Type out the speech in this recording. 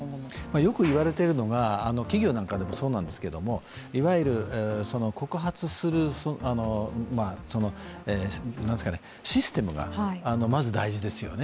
よく言われているのが企業なんかでもそうなんですけどいわゆる告発するシステムがまず大事ですよね。